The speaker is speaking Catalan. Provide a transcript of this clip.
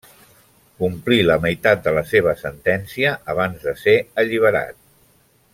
Complí la meitat de la seva sentència abans de ser alliberat.